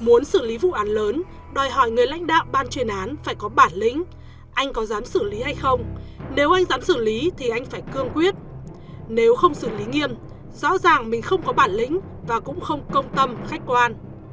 muốn xử lý vụ án lớn đòi hỏi người lãnh đạo ban chuyên án phải có bản lĩnh anh có dám xử lý hay không nếu anh dám xử lý thì anh phải cương quyết nếu không xử lý nghiêm rõ ràng mình không có bản lĩnh và cũng không công tâm khách quan